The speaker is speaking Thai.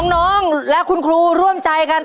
น้องและคุณครูร่วมใจกัน